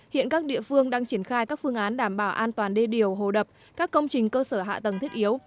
hiện các địa phương đang triển khai các phương án đảm bảo an toàn đê điều hồ đập các công trình cơ sở hạ tầng thiết yếu